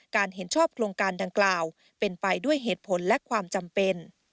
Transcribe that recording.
เห็นชอบโครงการดังกล่าวเป็นไปด้วยเหตุผลและความจำเป็น